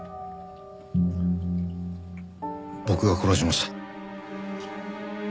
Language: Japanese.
僕が殺しました。